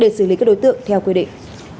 để xử lý các đối tượng theo quy định